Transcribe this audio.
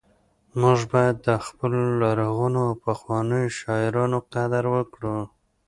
موږ باید د خپلو لرغونو او پخوانیو شاعرانو قدر وکړو